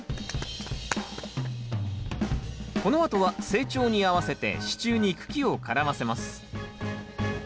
このあとは成長に合わせて支柱に茎を絡ませます。